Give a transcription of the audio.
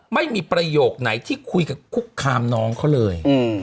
ไม่มีประโยคไหนที่คุยกับคุกคามน้องเขาเลย